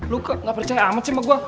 lu kek ga percaya amat sih sama gua